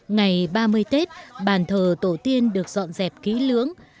ngày ba mươi tết bàn thờ tổ tiên được dọn dẹp kỹ lưỡng